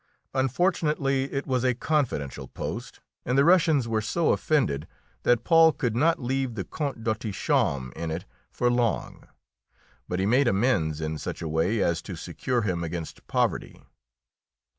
Unfortunately, it was a confidential post, and the Russians were so offended that Paul could not leave the Count d'Autichamp in it for long. But he made amends in such a way as to secure him against poverty.